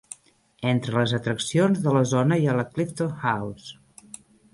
Entre les atraccions de la zona hi ha la Clifton House.